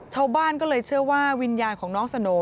ชาวบ้านก็เลยเชื่อว่าวิญญาณของน้องสโน